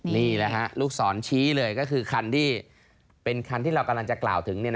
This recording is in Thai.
นี่แหละฮะลูกศรชี้เลยก็คือคันที่เป็นคันที่เรากำลังจะกล่าวถึง